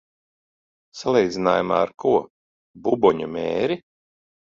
Salīdzinājumā ar ko? Buboņu mēri?